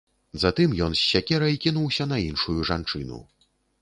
Затым ён з сякерай кінуўся на іншую жанчыну.